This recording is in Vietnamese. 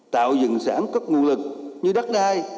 tạo dựng sản các ngu lực như đắc đai